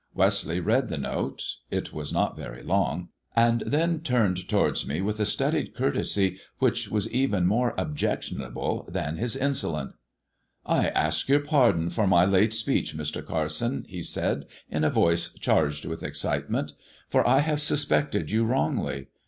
Westleigh read the note — it was not very long — and then tiu'ned towards me with a studied courtesy which was even more objection able than his insolence. " I ask your pardon for my late speech, Mr. Carson," he said, in a voice charged with excitement, "for I have suspected you wrongly.